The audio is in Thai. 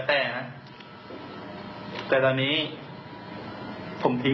เป็นคนดีของคุณ